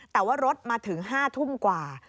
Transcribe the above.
แต่ว่ารถมาถึง๕ทุ่มกว่า